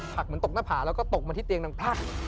ผักเหมือนตกหน้าผ่าแล้วก็ตกมาที่เตียงด้านภาค